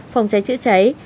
phòng cháy chữa cháy